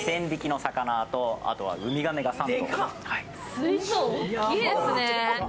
水槽、大きいですね。